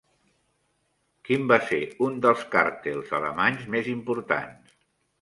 Quin va ser un dels càrtels alemanys més importants?